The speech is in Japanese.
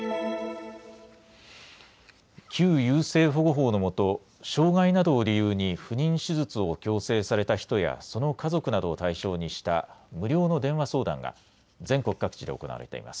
旧優生保護法のもと障害などを理由に不妊手術を強制された人やその家族などを対象にした無料の電話相談が全国各地で行われます。